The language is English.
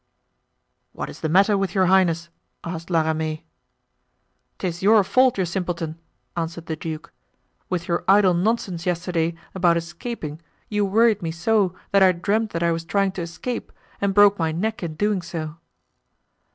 "What is the matter with your highness?" asked La Ramee. "'Tis your fault, you simpleton," answered the duke. "With your idle nonsense yesterday about escaping, you worried me so that I dreamed that I was trying to escape and broke my neck in doing so."